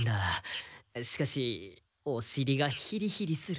しかしおしりがヒリヒリする。